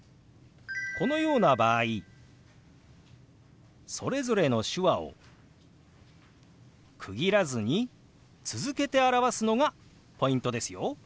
このような場合それぞれの手話を区切らずに続けて表すのがポイントですよ。